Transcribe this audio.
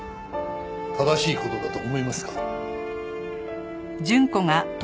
正しい事だと思いますか？